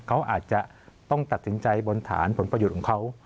เขาอาจจะต้องตัดสินใจบนฐานผลประโยชน์ของเขา